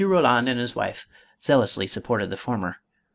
Roland and his wife zealously supported the former.